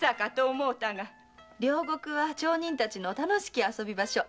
両国は町人たちの楽しき遊び場所。